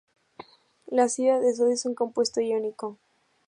La azida de sodio es un compuesto iónico.